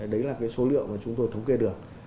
đấy là cái số liệu mà chúng tôi thống kê được